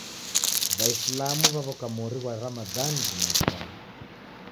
W'aisilamu w'aw'oka mori ghwa Ramadhani juma ichaa.